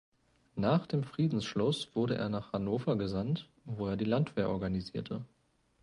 Nach dem Friedensschluss wurde er nach Hannover gesandt, wo er die Landwehr organisierte.